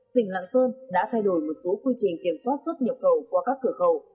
tỉnh lạng sơn đã thay đổi một số quy trình kiểm soát xuất nhập khẩu qua các cửa khẩu